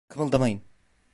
Kımıldamayın!